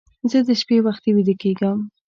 زه د شپې وختي ویده کېږم